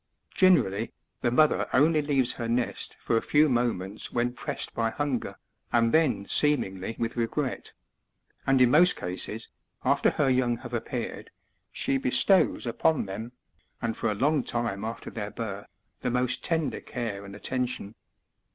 Generally, the mother only leaves her nest for a few moments when pressed by hunger, and then seemingly with regret ; and, in most cases, sdder her young have appeared, she bestows upon them, and for a long time after thehr birth, the most tender care and attention.